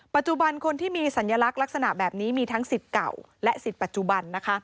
คนที่มีสัญลักษณ์ลักษณะแบบนี้มีทั้งสิทธิ์เก่าและสิทธิ์ปัจจุบันนะคะ